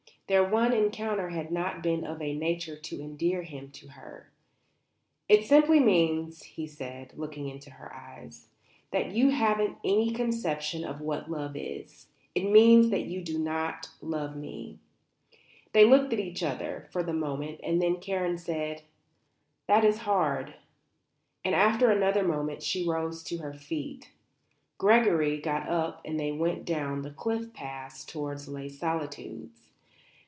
Their one encounter had not been of a nature to endear him to her. "It simply means," he said, looking into her eyes, "that you haven't any conception of what love is. It means that you don't love me." They looked at each other for a moment and then Karen said, "That is hard." And after another moment she rose to her feet. Gregory got up and they went down the cliff path towards Les Solitudes.